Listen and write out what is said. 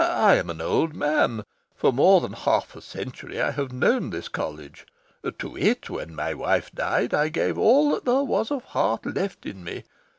I am an old man. For more than half a century I have known this College. To it, when my wife died, I gave all that there was of heart left in me.